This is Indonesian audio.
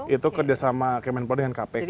itu kerjasama kemenpora dengan kpk